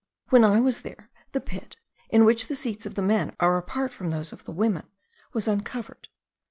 When I was there, the pit, in which the seats of the men are apart from those of the women, was uncovered.